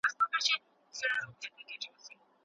ستړی ذهن ژر تېروځي.